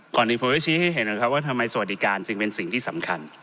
ก่อนนี้ผมก็ชี้ให้เห็นนะครับว่าทำไมสวัสดิการจึงเป็นสิ่งที่สำคัญ